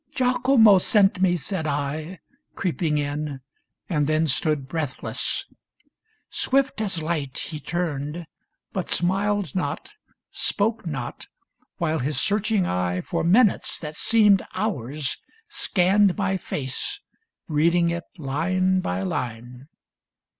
*' Giacomo sent me," said I, creeping in, And then stood breathless. Swift as light he turned. But smiled not, spoke not, while his searching eye For minutes that seemed hours scanned my face, Reading it line by line.